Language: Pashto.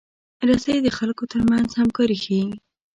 رسۍ د خلکو ترمنځ همکاري ښيي.